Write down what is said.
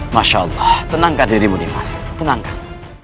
masya allah tenangkan dirimu nih mas tenangkan